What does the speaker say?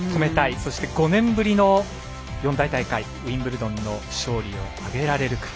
そして５年ぶりの四大大会、ウィンブルドンの勝利を挙げられるか。